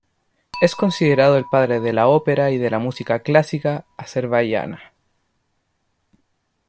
Es considerado el padre de la ópera y de la música clásica azerbaiyana.